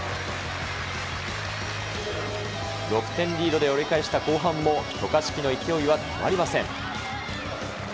６点リードで折り返した後半も渡嘉敷の勢いは止まりません。